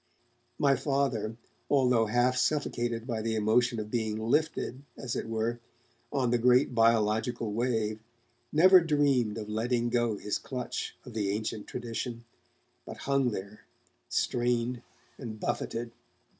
My Father, although half suffocated by the emotion of being lifted, as it were, on the great biological wave, never dreamed of letting go his clutch of the ancient tradition, but hung there, strained and buffeted.